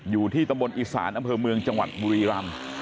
อยู่ที่ตำบลอีสานอำเภอเมืองจังหวัดบุรีรำ